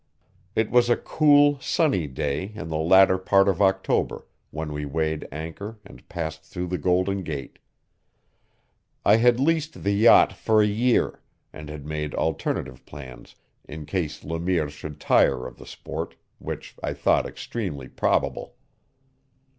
It was a cool, sunny day in the latter part of October when we weighed anchor and passed through the Golden Gate. I had leased the yacht for a year, and had made alternative plans in case Le Mire should tire of the sport, which I thought extremely probable.